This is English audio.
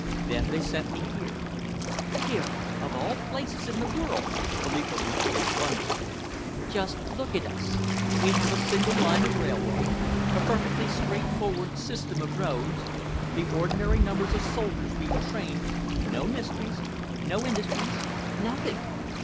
Then they sent me here." "Here, of all places in the world!" Philippa repeated wonderingly. "Just look at us! We have a single line of railway, a perfectly straightforward system of roads, the ordinary number of soldiers being trained, no mysteries, no industries nothing.